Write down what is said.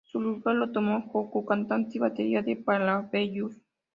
Su lugar lo tomó Josu, cantante y batería de Parabellum.